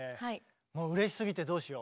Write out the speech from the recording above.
もううれしすぎてどうしよう。